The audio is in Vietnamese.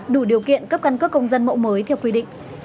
đủ điều kiện cấp căn cước công dân mẫu mới theo quy định